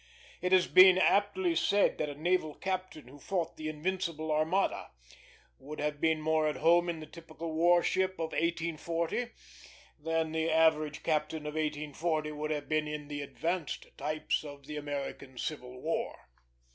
It has been aptly said that a naval captain who fought the Invincible Armada would have been more at home in the typical war ship of 1840, than the average captain of 1840 would have been in the advanced types of the American Civil War.